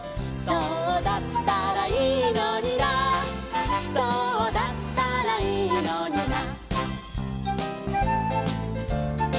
「そうだったらいいのになそうだったらいいのにな」